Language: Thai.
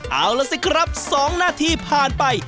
เอาล่ะสิครับ๒นาทีผ่านไป